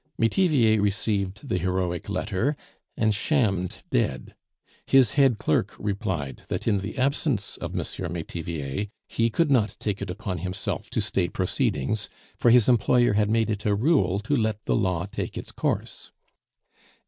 Metivier received the heroic letter, and shammed dead. His head clerk replied that in the absence of M. Metivier he could not take it upon himself to stay proceedings, for his employer had made it a rule to let the law take its course.